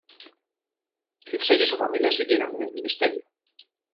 Lindsay y su familia siguieron en el ministerio.